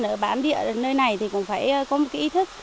ở bản địa nơi này thì cũng phải có một cái ý thức